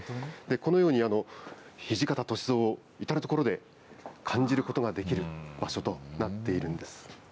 このように、土方歳三を至る所で感じることができる場所となっているんです。